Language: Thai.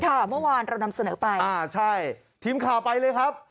เมื่อวานเรานำเสนอไปอ่าใช่ทีมข่าวไปเลยครับ